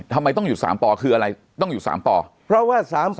ทำไมต้องหยุด๓ปอคืออะไรต้องหยุด๓ปเพราะว่า๓๐